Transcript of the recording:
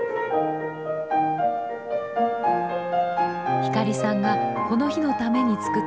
光さんがこの日のために作った曲です。